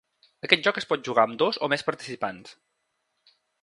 Aquest joc es pot jugar amb dos o més participants.